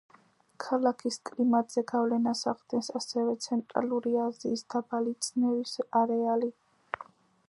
ქალაქის კლიმატზე გავლენას ახდენს ასევე ცენტრალური აზიის დაბალი წნევის არეალი.